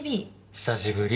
久しぶり。